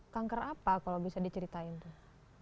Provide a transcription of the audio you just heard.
kanker apa kalau bisa diceritain tuh